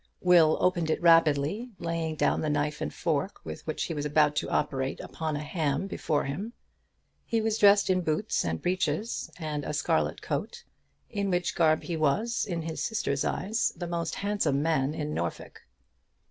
Will opened it rapidly, laying down the knife and fork with which he was about to operate upon a ham before him. He was dressed in boots and breeches, and a scarlet coat, in which garb he was, in his sister's eyes, the most handsome man in Norfolk.